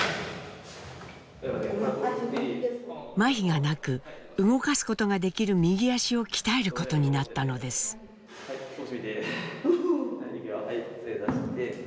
まひがなく動かすことができる右足を鍛えることになったのです。はいつえ出して。